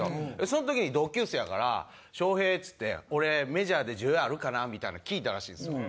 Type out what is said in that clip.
その時に同級生やから「翔平」っつって「俺メジャーで需要あるかな？」みたいなのを聞いたらしいんですよ。